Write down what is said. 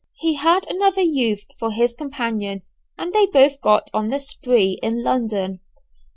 He had another youth for his companion, and they both got on the "spree" in London.